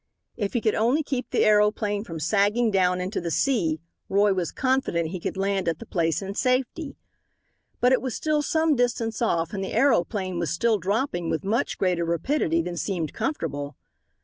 If he could only keep the aeroplane from sagging down into the sea Roy was confident he could land at the place in safety. But it was still some distance off and the aeroplane was still dropping with much greater rapidity than seemed comfortable.